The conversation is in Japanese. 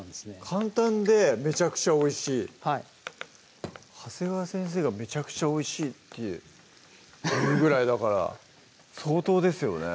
簡単でめちゃくちゃおいしい長谷川先生が「めちゃくちゃおいしい」って言うぐらいだから相当ですよね